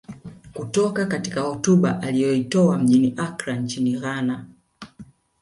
Kutoka katika hotuba aliyoitoa mjini Accra nchini Ghana